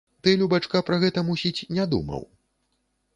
Ты, любачка, пра гэта, мусіць, не думаў?